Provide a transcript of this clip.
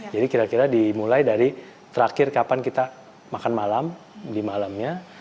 jadi kira kira dimulai dari terakhir kapan kita makan malam di malamnya